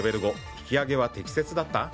引き上げは適切だった？